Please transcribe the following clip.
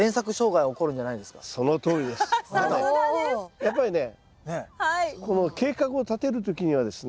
やっぱりねこの計画をたてるときにはですね